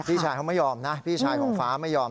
พี่ชายเขาไม่ยอมนะพี่ชายของฟ้าไม่ยอม